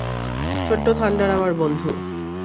ছোট্ট থান্ডার আমার বন্ধু।